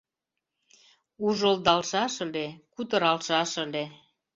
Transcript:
Ужылдалшаш ыле, кутыралшаш ыле